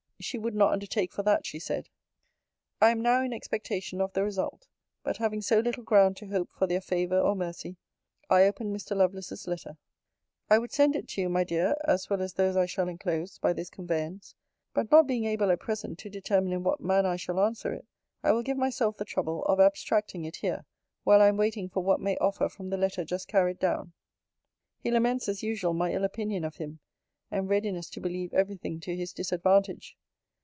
She would not undertake for that, she said. I am now in expectation of the result. But having so little ground to hope for their favour or mercy, I opened Mr. Lovelace's letter. I would send it to you, my dear (as well as those I shall enclose) by this conveyance; but not being able at present to determine in what manner I shall answer it, I will give myself the trouble of abstracting it here, while I am waiting for what may offer from the letter just carried down. 'He laments, as usual, my ill opinion of him, and readiness to believe every thing to his disadvantage.